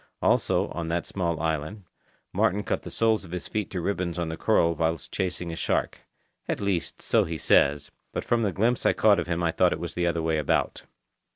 Also, on that small island, Martin cut the soles of his feet to ribbons on the coral whilst chasing a shark—at least, so he says, but from the glimpse I caught of him I thought it was the other way about.